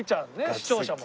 視聴者も。